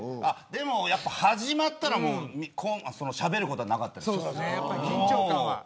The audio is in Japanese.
でも始まったらしゃべることはなかったです。